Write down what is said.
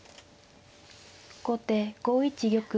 後手５一玉。